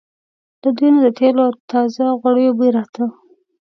له دوی نه د تېلو او تازه غوړیو بوی راته.